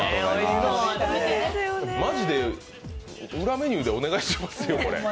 マジで裏メニューでお願いしますよ、これ。